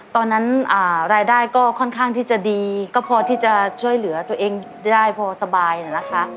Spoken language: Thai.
ตอนนั้นรายได้ก็ค่อนข้างที่จะดีก็พอที่จะช่วยเหลือตัวเองได้พอสบายนะคะ